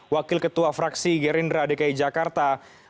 wakil ketua fraksi gerindra dki jakarta